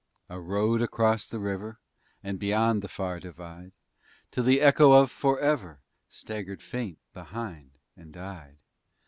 _ I rode across the river And beyond the far divide, Till the echo of "forever" Staggered faint behind and died.